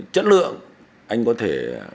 chất lượng anh có thể